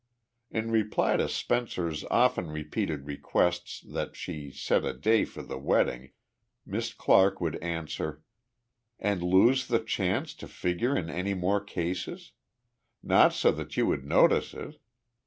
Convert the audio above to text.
In reply to Spencer's often repeated requests that she set a day for their wedding, Miss Clarke would answer: "And lose the chance to figure in any more cases? Not so that you could notice it!